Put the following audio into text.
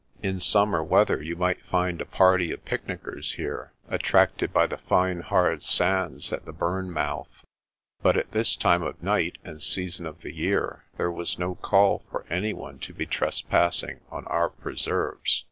In summer weather you might find a party of picnickers here, attracted by the fine hard sands at the burn mouth. But at this time of night and season of the year there was no call for any one to be trespassing on our preserves.